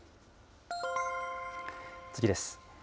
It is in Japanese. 次です。